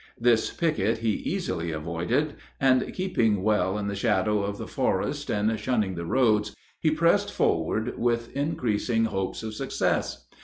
This picket he easily avoided, and, keeping well in the shadow of the forest and shunning the roads, he pressed forward with increasing hopes of success.